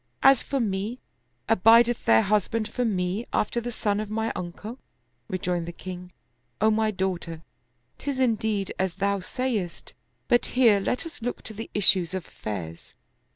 As for me, abid eth there husband for me, after the son of my uncle? " Re joined the king, " O my daughter, 'tis indeed as thou sayest ; but here let us look to the issues of affairs.